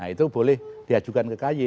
itu boleh diajukan ke kay